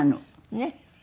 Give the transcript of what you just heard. ねっ。